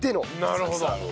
なるほど。